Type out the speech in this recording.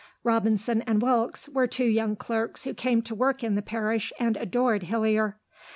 (Robinson and Wilkes were two young clerks who came to work in the parish and adored Hillier.)